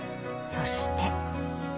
そして。